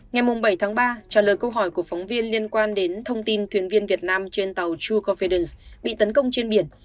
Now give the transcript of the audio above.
ngày bảy tháng ba trả lời câu hỏi của phóng viên liên quan đến thông tin thuyền viên việt nam trên tàu true confidence bị tấn công trên biển